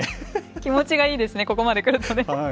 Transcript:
気持ちがいいですね、ここまでくるとね。